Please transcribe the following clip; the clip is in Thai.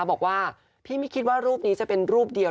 บอกว่าพี่ไม่คิดว่ารูปนี้จะเป็นรูปเดียว